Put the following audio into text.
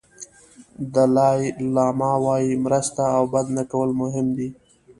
دالای لاما وایي مرسته او بد نه کول مهم دي.